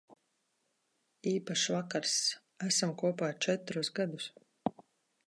Īpašs vakars. Esam kopā četrus gadus.